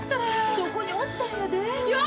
そこにおったんやで。